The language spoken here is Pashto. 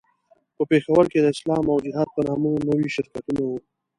په پېښور کې د اسلام او جهاد په نامه نوي شرکتونه وو.